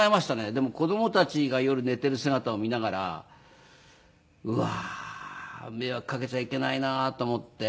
でも子供たちが夜寝ている姿を見ながらうわー迷惑かけちゃいけないなと思って。